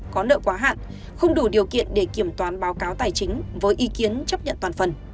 có nợ quá hạn không đủ điều kiện để kiểm toán báo cáo tài chính với ý kiến chấp nhận toàn phần